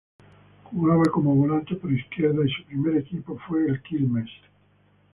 Jugaba como volante por izquierda y su primer equipo fue Quilmes.